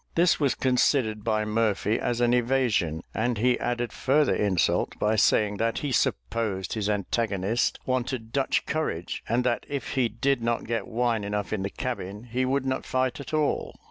This was considered by Murphy as an evasion; and he added further insult by saying that he supposed his antagonist wanted Dutch courage, and that if he did not get wine enough in the cabin, he would not fight at all.